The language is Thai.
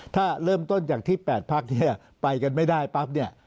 ถ้าเริ่มต้นจากที่๘ภักดิ์ไปกันไม่ได้ปั๊บ